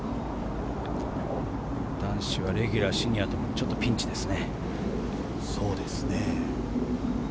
男子はレギュラー、シニアともにちょっとピンチですね。